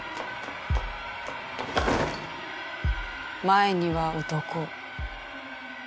前には男。